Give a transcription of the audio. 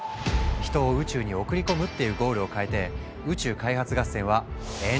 「人を宇宙に送り込む」っていうゴールをかえて宇宙開発合戦は延長戦に突入。